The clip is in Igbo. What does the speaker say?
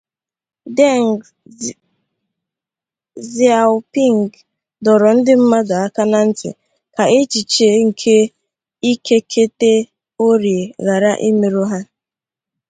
Deng Xiaoping dọrọ ndị mmadụ aka na ntị "ka echiche nke ikeketeorie ghara imerụ ha".